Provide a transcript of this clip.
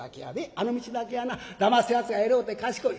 あの道だけはなだますやつが偉うて賢い。